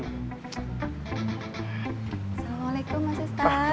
assalamualaikum mas ustadz